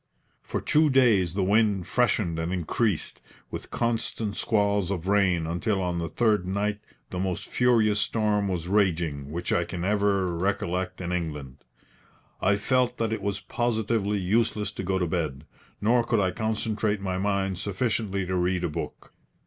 For two days the wind freshened and increased, with constant squalls of rain until on the third night the most furious storm was raging which I can ever recollect in England. I felt that it was positively useless to go to bed, nor could I concentrate my mind sufficiently to read a book.